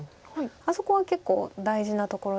あそこは結構大事なところで。